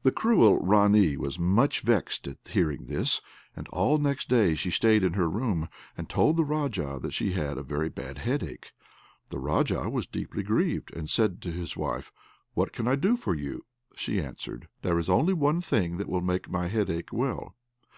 The cruel Ranee was much vexed at hearing this, and all next day she stayed in her room, and told the Raja that she had a very bad headache. The Raja was deeply grieved, and said to his wife, "What can I do for you?" She answered, "There is only one thing that will make my headache well.